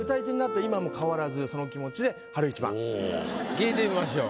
聞いてみましょう。